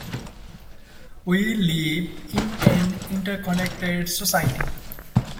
We live in an interconnected society.